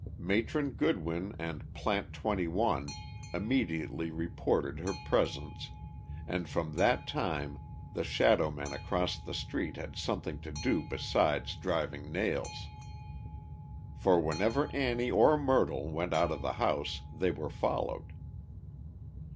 Matron Goodwin and "Plant 21" immediately reported her presence, and from that time the shadow men across the street had something to do besides driving nails. For whenever Annie or Myrtle went out of the house they were followed.